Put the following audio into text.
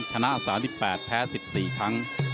ชนะ๓๘แพ้๑๔ครั้ง